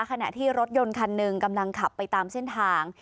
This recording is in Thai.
ขณะที่รถยนต์คันหนึ่งกำลังขับไปตามเส้นทาง